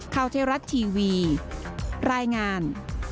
ข้าวเจ้ารัดทีวีรายงาน